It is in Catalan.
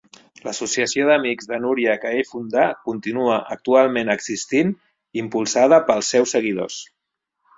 L'associació Amics de Núria que ell fundà continua actualment existint impulsada pels seus seguidors.